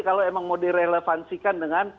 kalau emang mau direlevansikan dengan